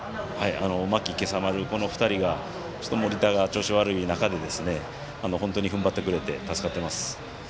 間木、今朝丸、この２人が盛田が調子が悪い中で本当にふんばってくれて助かってます。